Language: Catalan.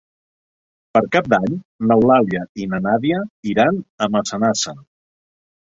Per Cap d'Any n'Eulàlia i na Nàdia iran a Massanassa.